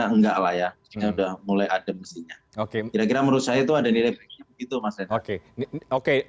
enggak layak sudah mulai ada mesinnya oke kira kira menurut saya itu ada nilai itu oke oke